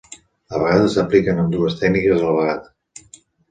A vegades s'apliquen ambdues tècniques a la vegada.